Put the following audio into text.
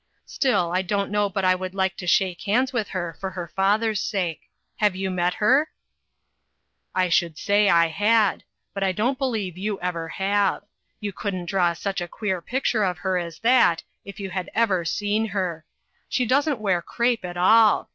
Still, I don't know but I would like to shake hands with her for her father's sake. Have you met her ?"" I should say I had ! but I don't believe you ever have. You couldn't draw such a queer picture of her as that, if you had ever seen her. She doesn't wear crape at all.